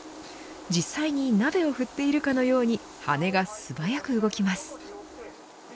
実際に鍋を振っているかのように羽が素早く動きます。